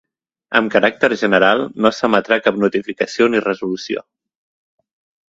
Amb caràcter general, no s'emetrà cap notificació ni resolució.